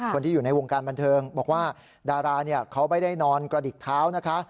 คนที่อยู่ในวงการบันเทิงบอกว่าดาราเขาไม่ได้นอนกระดิกเท้านะคะ